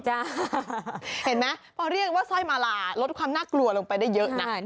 เห็นไหมพอเรียกว่าสร้อยมาลาลดความน่ากลัวลงไปได้เยอะนะ